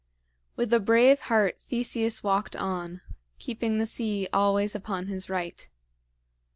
With a brave heart Theseus walked on, keeping the sea always upon his right.